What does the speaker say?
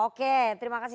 oke terima kasih sekali